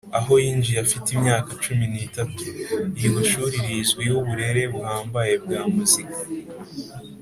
aho yinjiye afite imyaka cumi n’itatu. Iryo shuri rizwiho uburere buhambaye bwa muzika